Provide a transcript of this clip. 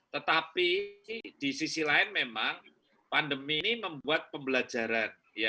tetapi di sisi lain memang pandemi ini membuat pembelajaran